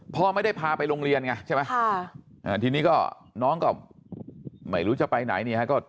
พ่อไม่ได้พาไปโรงเรียนไงใช่ไหมทีนี้ก็น้องก็ไม่รู้จะไปไหนเนี่ยฮะ